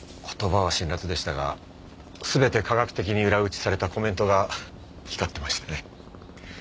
言葉は辛辣でしたが全て科学的に裏打ちされたコメントが光ってましてね。